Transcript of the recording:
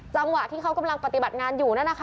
จังหวะที่เขากำลังปฏิบัติงานอยู่นั่นนะคะ